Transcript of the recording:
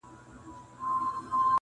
که هر څو مي درته ډېري زارۍ وکړې-